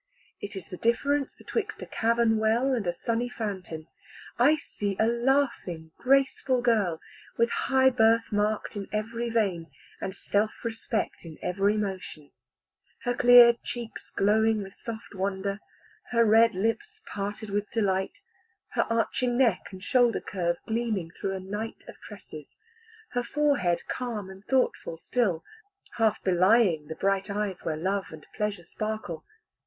It is the difference betwixt a cavern well and a sunny fountain. I see a laughing graceful girl, with high birth marked in every vein, and self respect in every motion; her clear cheeks glowing with soft wonder, her red lips parted with delight, her arching neck and shoulder curve gleaming through a night of tresses, her forehead calm and thoughtful still, half belying the bright eyes where love and pleasure sparkle.